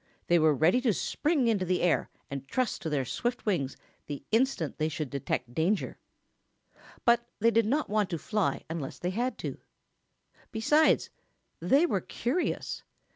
They were ready to spring into the air and trust to their swift wings the instant they should detect danger. But they did not want to fly unless they had to. Besides, they were curious.